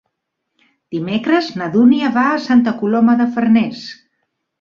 Dimecres na Dúnia va a Santa Coloma de Farners.